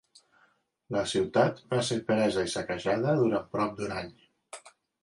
La ciutat va ser presa i saquejada durant prop d'un any.